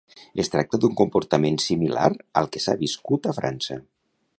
Es tracta d'un comportament similar al que s'ha viscut a França.